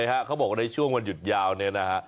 บอกว่าในช่วงวันหยุดยาวนี้นะฮะ